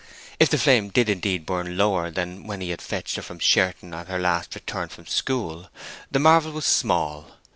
If the flame did indeed burn lower now than when he had fetched her from Sherton at her last return from school, the marvel was small.